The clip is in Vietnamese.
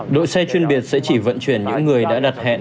đội xe chuyên biệt sẽ chỉ vận chuyển những người đã đặt hẹn